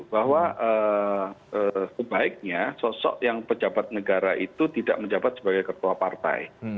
bahwa sebaiknya sosok yang pejabat negara itu tidak menjabat sebagai ketua partai